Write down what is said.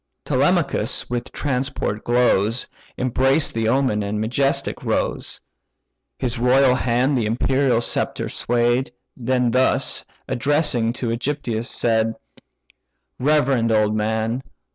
Telemachus with transport glows, Embraced the omen, and majestic rose (His royal hand the imperial sceptre sway'd); Then thus, addressing to AEgyptius, said: "Reverend old man!